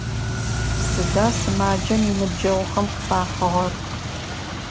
Сыда сымаджэм иныбджэгъухэм къыфахьыгъэр?